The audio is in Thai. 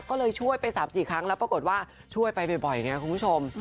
ก็เลยช่วยไป๓๔ครั้งแล้วปรากฏว่าช่วยไปบ่อยไงคุณผู้ชม